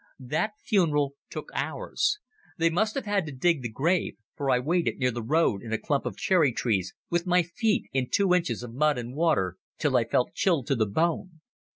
That funeral took hours. They must have had to dig the grave, for I waited near the road in a clump of cherry trees, with my feet in two inches of mud and water, till I felt chilled to the bone.